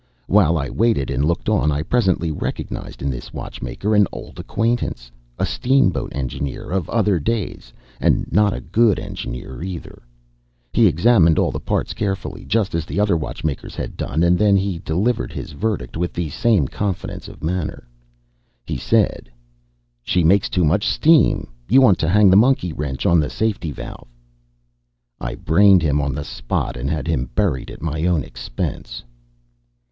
While I waited and looked on I presently recognized in this watchmaker an old acquaintance a steamboat engineer of other days, and not a good engineer, either. He examined all the parts carefully, just as the other watchmakers had done, and then delivered his verdict with the same confidence of manner. He said: "She makes too much steam you want to hang the monkey wrench on the safety valve!" I brained him on the spot, and had him buried at my own expense.